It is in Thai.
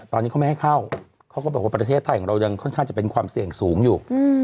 ตอนนี้เขาไม่ให้เข้าเขาก็บอกว่าประเทศไทยของเรายังค่อนข้างจะเป็นความเสี่ยงสูงอยู่